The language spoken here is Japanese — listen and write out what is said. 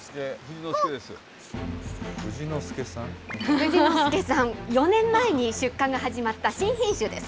富士の介さん、４年前に出荷が始まった新品種です。